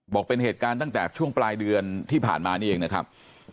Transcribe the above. บอกเป็นเหตุการณ์ตั้งแต่ช่วงปลายเดือนที่ผ่านมานี่เองนะครับ